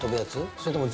それとも。